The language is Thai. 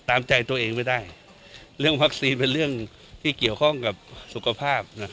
ตามใจตัวเองไม่ได้เรื่องวัคซีนเป็นเรื่องที่เกี่ยวข้องกับสุขภาพ